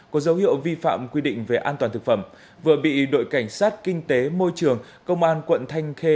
có dấu hiệu vi phạm quy định về an toàn thực phẩm vừa bị đội cảnh sát kinh tế môi trường công an quận thanh khê